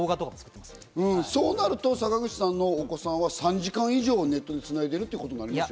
そうなると、坂口さんのお子さんは３時間以上ネットにつないでるということですか？